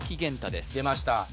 でました